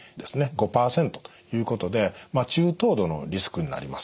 ５％ということで中等度のリスクになります。